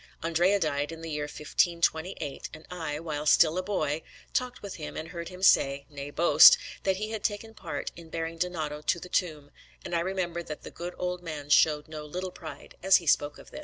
Andrea died in the year 1528, and I, while still a boy, talked with him and heard him say nay, boast that he had taken part in bearing Donato to the tomb; and I remember that the good old man showed no little pride as he spoke of this.